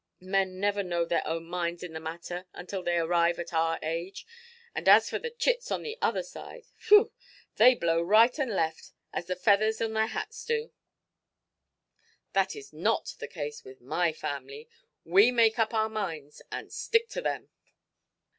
Men never know their own minds in the matter until they arrive at our age. And as for the chits on the other side—whew, they blow right and left, as the feathers on their hats do". "That is not the case with my family. We make up our minds, and stick to them".